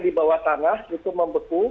di bawah tanah itu membeku